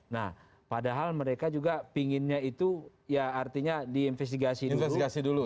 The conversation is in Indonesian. nah padahal mereka juga pinginnya itu ya artinya diinvestigasi dulu